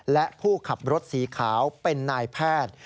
และผู้ขับรถสีขาวเป็นนายแพทย์